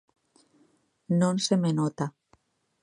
Non se me nota.